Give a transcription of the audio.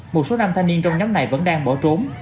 một số nam thanh niên trong nhóm này vẫn đang bỏ trốn